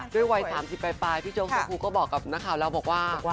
ในสามสิบปลายพี่โจ๊กสักครู่ก็บอกกับนักข่าวแล้วบอกว่า